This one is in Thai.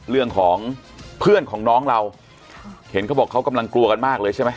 เรื่องของเพื่อนของน้องเราเห็นเขาบอกเขากำลังกลัวกันมากเลยใช่ไหม